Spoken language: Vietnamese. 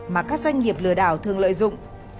mà các doanh nghiệp lừa đảo thường lợi dụng